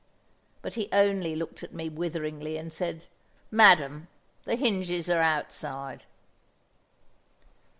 But he only looked at me witheringly and said, "Madam, the hinges are outside."